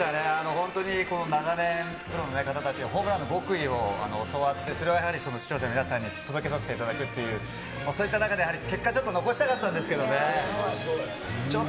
本当に長年、プロの方たちに、ホームランの極意を教わって、それをやはり視聴者の皆さんに届けさせていただくっていう、そういった中でやはり、結果、ちょっと残したかったんですけどね。